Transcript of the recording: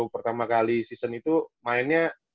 pertama kali season itu mainnya